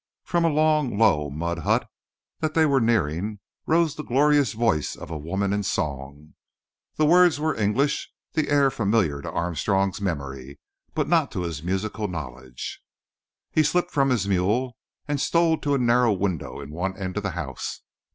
From a long, low mud hut that they were nearing rose the glorious voice of a woman in song. The words were English, the air familiar to Armstrong's memory, but not to his musical knowledge. He slipped from his mule and stole to a narrow window in one end of the house.